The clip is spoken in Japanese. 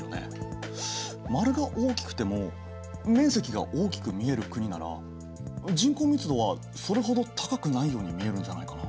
丸が大きくても面積が大きく見える国なら人口密度はそれほど高くないように見えるんじゃないかな？